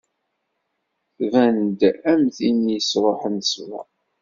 Tban-d am tin yesṛuḥen ṣṣber.